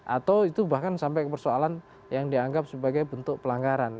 atau itu bahkan sampai persoalan yang dianggap sebagai bentuk pelanggaran